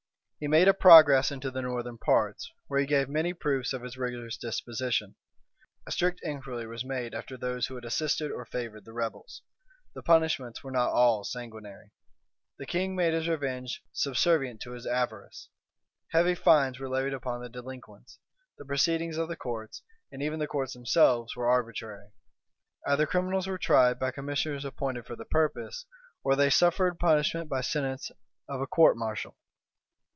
He made a progress into the northern parts, where he gave many proofs of his rigorous disposition. A strict inquiry was made after those who had assisted or favored the rebels. The punishments were not all sanguinary: the king made his revenge subservient to his avarice. Heavy fines were levied upon the delinquents. The proceedings of the courts, and even the courts themselves, were arbitrary. Either the criminals were tried by commissioners appointed for the purpose, or they suffered punishment by sentence of a court martial.